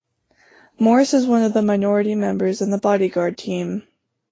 Morris is one of minority members in the Bodyguard Team.